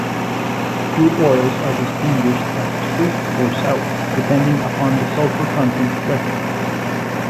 Crude oils are distinguished as "sweet" or "sour," depending upon the sulphur content present.